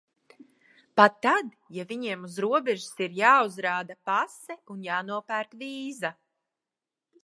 Pat tad, ja viņiem uz robežas ir jāuzrāda pase un jānopērk vīza.